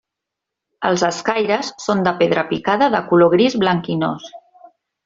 Els escaires són de pedra picada de color gris blanquinós.